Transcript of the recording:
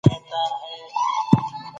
پاڼه خپل زخمونه په لمر ټکوروي.